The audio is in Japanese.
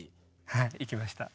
はい行きました。